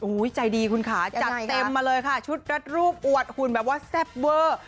โอ้โหใจดีคุณค่ะจัดเต็มมาเลยค่ะชุดรัดรูปอวดหุ่นแบบว่าแซ่บเวอร์